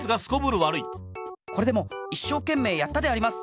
これでもいっしょうけんめいやったであります。